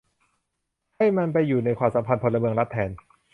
ให้มันไปอยู่ในความสัมพันธ์พลเมือง-รัฐ แทน